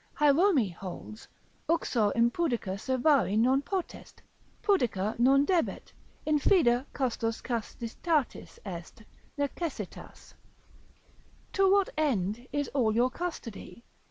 Hierome holds, Uxor impudica servari non potest, pudica non debet, infida custos castitatis est necessitas, to what end is all your custody?